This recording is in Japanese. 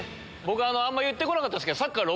僕あんま言って来なかったけどサッカー。